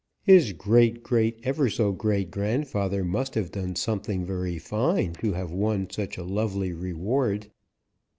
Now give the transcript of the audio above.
His great great ever so great grandfather must have done something very fine to have won such a lovely reward."